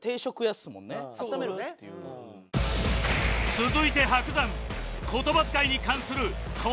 続いて伯山